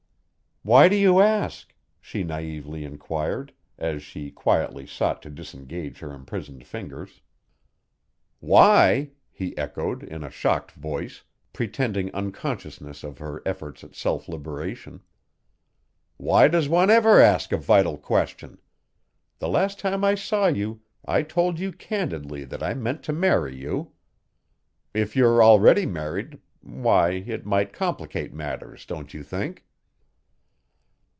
"Why do you ask?" she naïvely inquired, as she quietly sought to disengage her imprisoned fingers. "Why!" he echoed, in a shocked voice, pretending unconsciousness of her efforts at self liberation. "Why does one ever ask a vital question? The last time I saw you I told you candidly that I meant to marry you. If you're already married why, it might complicate matters, don't you think?"